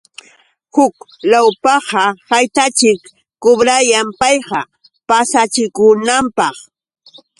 Huk lawpaqa, ¿haykataćhik kubrayan payqa? Pasahikunapaq.